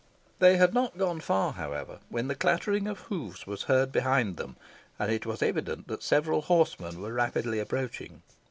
They had not gone far, however, when the clattering of hoofs was heard behind them, and it was evident that several horsemen were rapidly approaching.